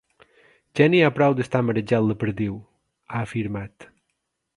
Ja n’hi ha prou d’estar marejant la perdiu, ha afirmat.